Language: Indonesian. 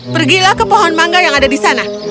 pergilah ke pohon mangga yang ada di sana